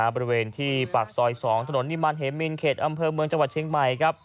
บริเวณที่ปากซอย๒ถนนนิมารเหมินเขตอำเภอเมืองจังหวัดเชียงใหม่ครับ